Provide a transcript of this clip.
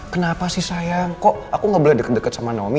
kenapa sih sayang kok aku gak boleh deket deket sama nomi